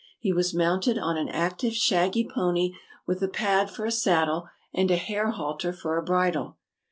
He was mounted on an active, shaggy pony, with a pad for a saddle and a hair halter for a bridle.